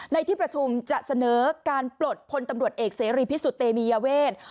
ในที่ประชุมจะเสนอการปลดพลตำรวจเอกเสรีพิสุทธิ์เตมียเวท